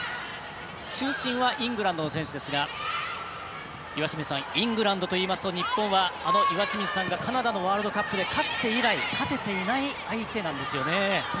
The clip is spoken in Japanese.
中心はイングランドの選手ですがイングランドといいますと日本はあの岩清水さんがカナダのワールドカップから勝てていない。